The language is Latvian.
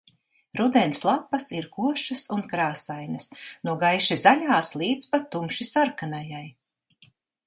Rudens lapas ir košas un krāsainas, no gaiši zaļās līdz pat tumši sarkanajai.